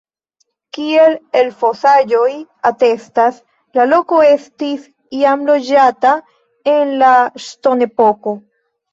Kiel elfosaĵoj atestas, la loko estis jam loĝata en la ŝtonepoko.